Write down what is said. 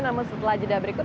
namun setelah jeda berikut